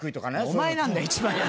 お前なんだよ一番。